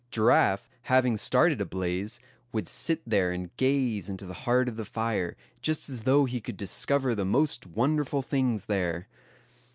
Giraffe, having started a blaze, would sit there and gaze into the heart of the fire, just as though he could discover the most wonderful things there.